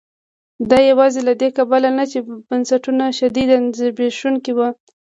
دا یوازې له دې کبله نه چې بنسټونه شدیداً زبېښونکي وو.